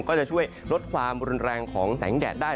ก็จะช่วยลดความรุนแรงของแสงแดดได้